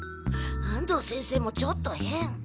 安藤先生もちょっとへん！